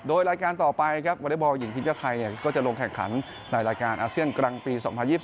โดยรายการต่อไปครับบริบัติวัลยิ่งที่เจ้าไทยก็จะลงแข่งขันในรายการเมื่ออาเซียนกลางปี๒๐๒๒